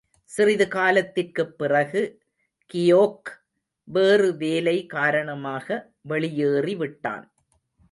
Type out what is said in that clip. சிறிது காலத்திற்குப் பிறகு கியோக் வேறு வேலை காரணமாக வெளியேறிவிட்டான்.